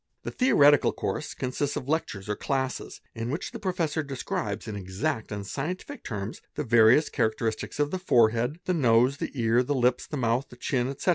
' The theoretical course consists of lectures or classes in which the | professor describes in exact and scientific terms the various characteris — ics of the forehead, the nose, the ear, the lips, the mouth, the chin, te.